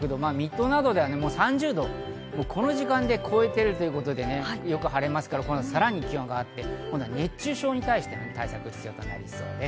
水戸などでは３０度、この時間で超えているということでよく晴れますから、さらに気温が上がって熱中症に対して対策が必要です。